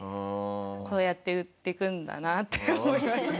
こうやって売っていくんだなって思いました。